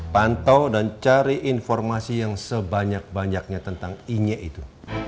pantau dan cari informasi yang sebanyak banyaknya tentang ie itu